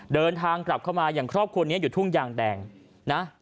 เดินทางกลับเข้ามาอย่างครอบครัวนี้อยู่ทุ่งยางแดงนะ